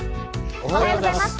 おはようございます。